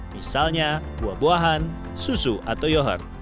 misalnya buah buahan susu atau yoher